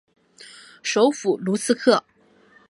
首府卢茨克。